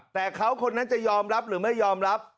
แต่เขาคนนั้นจะยอมรับหรือไม่ยอมรับ